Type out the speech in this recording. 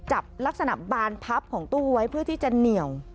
จับลักษณะบานพับของตู้ไว้เพื่อที่จะเหนียว